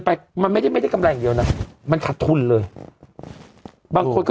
ไปมันไม่ได้ไม่ได้กำไรอย่างเดียวนะมันขาดทุนเลยบางคนก็